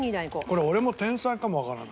これ俺も天才かもわからない。